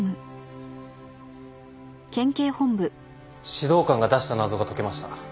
指導官が出した謎が解けました。